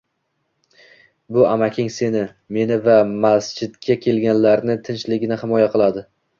Bu amaking seni, meni va masjidga kelganlarni tinchligini himoya qiladi